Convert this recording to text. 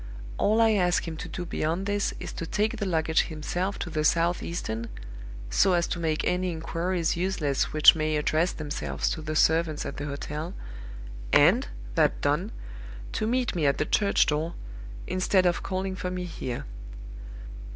All I ask him to do beyond this is to take the luggage himself to the Southeastern (so as to make any inquiries useless which may address themselves to the servants at the hotel) and, that done, to meet me at the church door, instead of calling for me here.